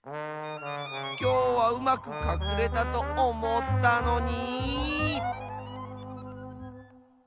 きょうはうまくかくれたとおもったのに。